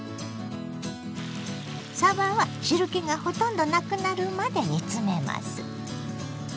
さばは汁けがほとんどなくなるまで煮詰めます。